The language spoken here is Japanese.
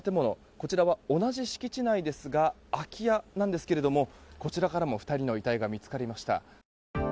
こちらは同じ敷地内ですが空き家なんですけれどもこちらからも２人の遺体が見つかりました。